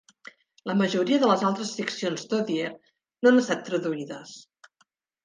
La majoria de les altres ficcions d'Odier no han estat traduïdes.